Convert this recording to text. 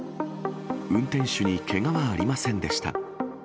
運転手にけがはありませんでした。